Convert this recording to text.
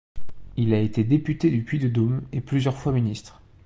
Il a été député du Puy-de-Dôme et plusieurs fois ministre.